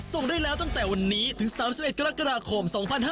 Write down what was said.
ส่งได้แล้วตั้งแต่วันนี้ถึง๓๑กรกฎาคม๒๕๕๙